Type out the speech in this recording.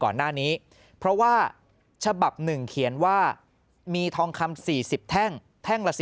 ก่อนหน้านี้เพราะว่าฉบับ๑เขียนว่ามีทองคำ๔๐แท่งแท่งละ๑๐